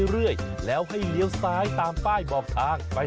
อร่อยจริงเด็ดมาก